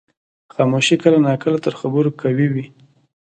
خاموشي کله ناکله تر خبرو قوي وي.